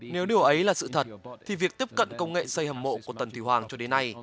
nếu điều ấy là sự thật thì việc tiếp cận công nghệ xây hầm mộ của tần thùy hoàng cho đến nay